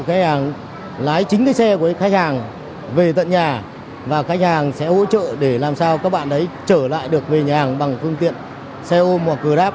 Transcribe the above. các khách hàng lấy chính cái xe của khách hàng về tận nhà và khách hàng sẽ hỗ trợ để làm sao các bạn ấy trở lại được về nhà hàng bằng phương tiện xe ôm hoặc gửi đáp